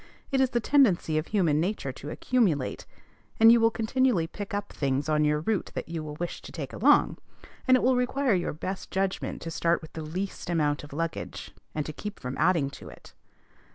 It is the tendency of human nature to accumulate, and you will continually pick up things on your route that you will wish to take along; and it will require your best judgment to start with the least amount of luggage, and to keep from adding to it.